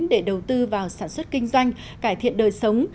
để đầu tư vào sản xuất kinh doanh cải thiện đời sống